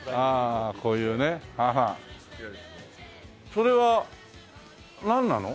それはなんなの？